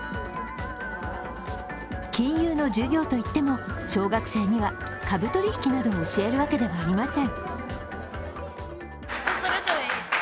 金融の授業といっても、小学生には株取引などを教えるわけではありません。